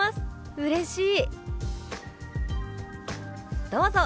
うれしい！」。